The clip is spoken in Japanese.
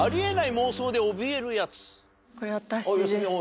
これ私ですね。